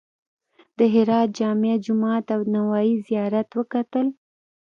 د هرات جامع جومات او د نوایي زیارت وکتل.